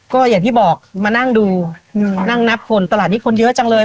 ก็อย่างที่บอกมานั่งดูนั่งนับคนตลาดนี้คนเยอะจังเลย